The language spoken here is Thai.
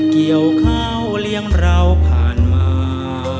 เกี่ยวข้าวเลี้ยงเราผ่านมา